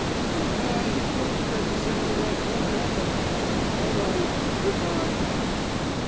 "Good bye. Don't forget to send me that Hun helmet!" "All right! Good bye!"